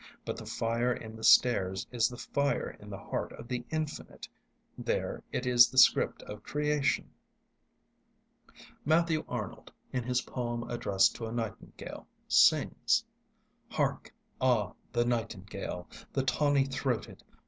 But the fire in the stars is the fire in the heart of the Infinite; there, it is the script of creation. Matthew Arnold, in his poem addressed to a nightingale, sings: Hark! ah, the nightingale— The tawny throated!